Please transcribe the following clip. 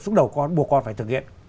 xuống đầu con buộc con phải thực hiện